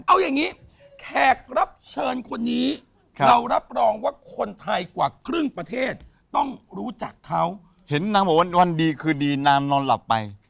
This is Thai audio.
เอาอย่างนี้แขกรับเชิญคนนี้เรารับรองว่าคนไทยกว่าครึ่งประเทศต้องรู้จักเขา